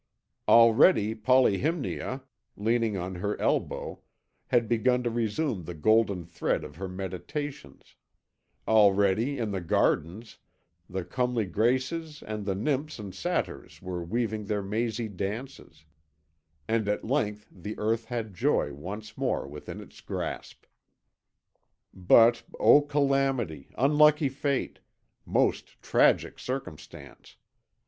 Already Polyhymnia, leaning on her elbow, had begun to resume the golden thread of her meditations; already, in the gardens, the comely Graces and the Nymphs and Satyrs were weaving their mazy dances, and at length the earth had joy once more within its grasp. But, O calamity, unlucky fate, most tragic circumstance!